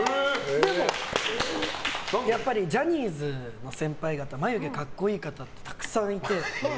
やっぱりジャニーズの先輩方眉毛、格好いい方ってたくさんいて。